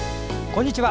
こんにちは。